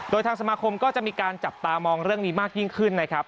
โดยทางสมาคมก็จะมีการจับตามองเรื่องนี้มากยิ่งขึ้นนะครับ